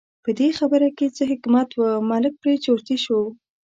په دې خبره کې څه حکمت و، ملک پرې چرتي شو.